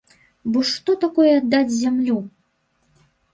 Бо што такое аддаць зямлю?